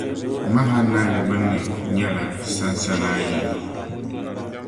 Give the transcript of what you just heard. Mahanaim gbinni nyɛla sansana ayi.